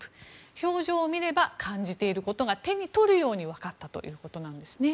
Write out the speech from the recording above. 表情を見れば、感じていることが手に取るように分かったということです。